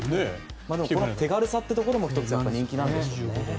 この手軽さというところも１つ人気なんでしょうね。